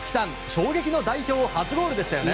衝撃の代表初ゴールでしたね。